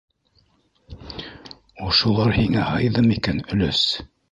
Ошолар һиңә һыйҙымы икән, өләс?!